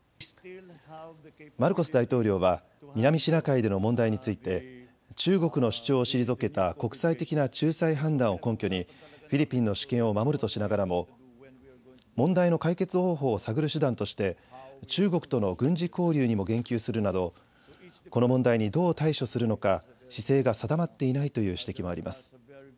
マルコス大統領は南シナ海での問題について中国の主張を退けた国際的な仲裁判断を根拠にフィリピンの主権を守るとしながらも問題の解決方法を探る手段として中国との軍事交流にも言及するなどこの問題にどう対処するのか姿勢が定まっていないという指摘もあります。